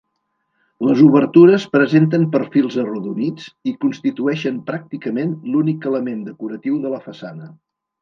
Les obertures presenten perfils arrodonits i constitueixen pràcticament l'únic element decoratiu de la façana.